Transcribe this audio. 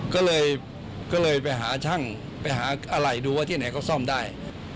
ก็เลยไปหาช่างไปหาอะไรดูว่าที่ไหนก็ซ่อมได้